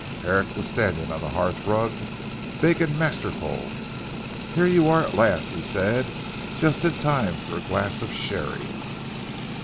Herrick was standing on the hearth rug, big and masterful. "Here you are at last," he said, "just in time for a glass of sherry."